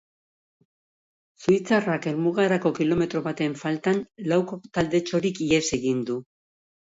Suitzarrak helmugarako kilometro baten faltan lauko taldetxorik ihes egin du.